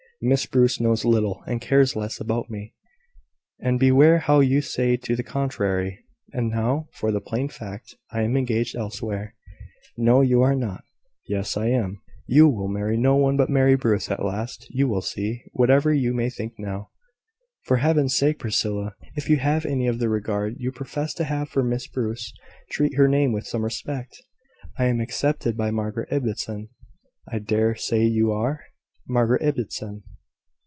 Miss Bruce knows little, and cares less, about me; and beware how you say to the contrary! And now for the plain fact. I am engaged elsewhere." "No; you are not." "Yes; I am." "You will marry no one but Mary Bruce at last, you will see, whatever you may think now." "For Heaven's sake, Priscilla, if you have any of the regard you profess to have for Miss Bruce, treat her name with some respect! I am accepted by Margaret Ibbotson!" "I dare say you are? Margaret Ibbotson!